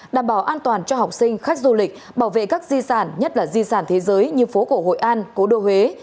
đảm bảo an toàn cho học sinh khách du lịch bảo vệ các di sản nhất là di sản thế giới như phố cổ hội an cố đô huế